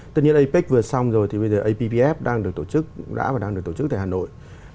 tất nhiên apec vừa xong rồi thì bây giờ appf đang được tổ chức đã và đang được tổ chức tại hà nội